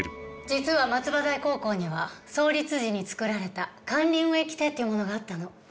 実は松葉台高校には創立時に作られた管理運営規定というものがあったの。